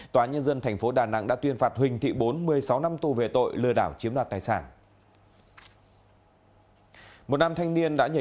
tòa nhân dân tp đà nẵng đã tuyên phạt huỳnh thị bốn một mươi sáu năm tù về tội lừa đảo chiếm đoạt tài sản